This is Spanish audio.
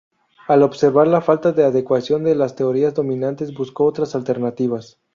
Al observar la falta de adecuación de las teorías dominantes, buscó otras alternativas.